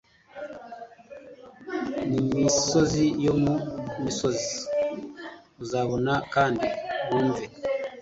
Nimisozi yo mu misozi uzabona kandi wumve